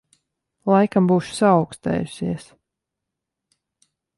Laikam būšu saaukstējusies.